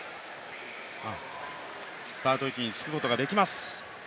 スタート位置につくことができます。